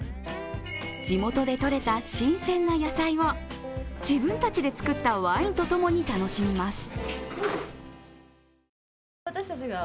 地元でとれた新鮮な野菜を自分たちで作ったワインとともに楽しみます。